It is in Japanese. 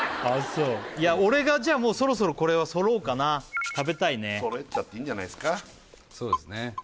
そういや俺がじゃあもうそろそろこれは揃うかな食べたいね揃えていいんじゃないですかそうですね